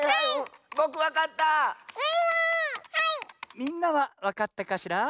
みんなはわかったかしら？